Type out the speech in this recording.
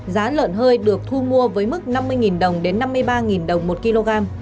giá lợn hơi được thu mua với mức năm mươi đồng đến năm mươi ba đồng một kg